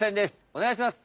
おねがいします！